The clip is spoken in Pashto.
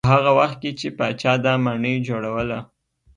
په هغه وخت کې چې پاچا دا ماڼۍ جوړوله.